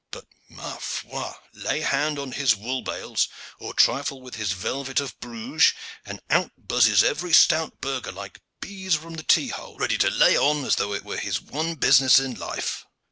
But ma foi! lay hand on his wool bales, or trifle with his velvet of Bruges, and out buzzes every stout burgher, like bees from the tee hole, ready to lay on as though it were his one business in life.